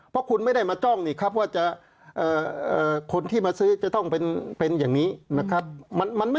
เพราะคุณไม่ได้มาจ้องนี่ครับว่าจะคนที่มาซื้อจะต้องเป็นอย่างนี้นะครับ